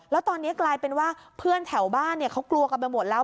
แล้วตอนนี้กลายเป็นว่าเพื่อนแถวบ้านเขากลัวกันไปหมดแล้ว